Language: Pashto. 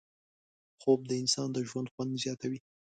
خوب د انسان د ژوند خوند زیاتوي